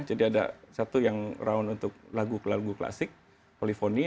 jadi ada satu yang round untuk lagu lagu klasik polifoni